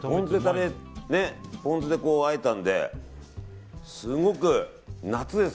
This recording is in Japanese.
ポン酢であえたのですごく夏です。